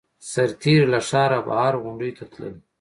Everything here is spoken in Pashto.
سرتېري له ښاره بهر غونډیو ته تلل.